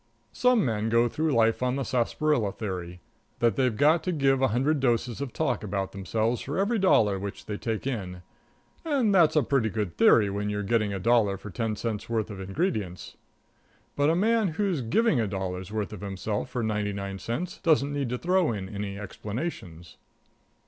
Some men go through life on the Sarsaparilla Theory that they've got to give a hundred doses of talk about themselves for every dollar which they take in; and that's a pretty good theory when you're getting a dollar for ten cents' worth of ingredients. But a man who's giving a dollar's worth of himself for ninety nine cents doesn't need to throw in any explanations.